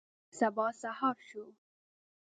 سبا سهار شو.